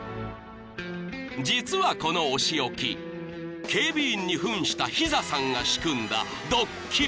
［実はこのお仕置き警備員に扮したヒザさんが仕組んだドッキリ］